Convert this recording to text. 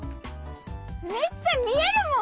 めっちゃ見えるもん。